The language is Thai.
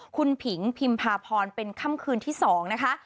คุณผิงพิมพาพรเป็นค่ำคืนที่๒นะคะ